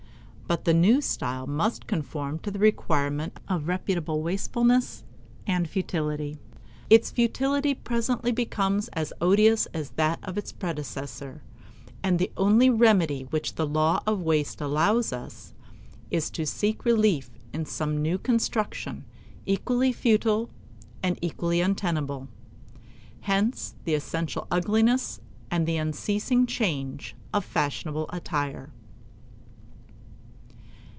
But the new style must conform to the requirement of reputable wastefulness and futility. Its futility presently becomes as odious as that of its predecessor; and the only remedy which the law of waste allows us is to seek relief in some new construction, equally futile and equally untenable. Hence the essential ugliness and the unceasing change of fashionable attire.